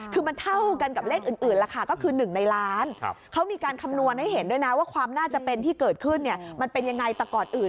คือมันเท่ากันกับเลขอื่นราคาก็คือ๑ในล้านเขามีการคำนวณให้เห็นด้วยนะว่าความน่าจะเป็นที่เกิดขึ้นมันเป็นยังไงแต่ก่อนอื่น